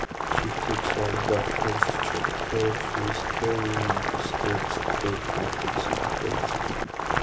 She takes out Doctor Schechter, frees Kerrie, and escapes as the complex explodes.